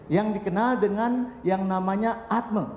yang dikenal dengan yang namanya atme